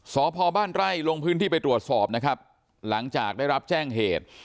สพบ้านไร่ลงพื้นที่ไปตรวจสอบนะครับหลังจากได้รับแจ้งเหตุ